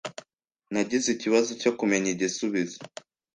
Nagize ikibazo cyo kumenya igisubizo.